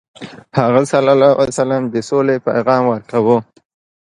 هغه ﷺ د سولې پیغام ورکاوه.